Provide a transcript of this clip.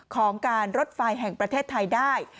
ของการรถไฟแห่งประเทศไทยได้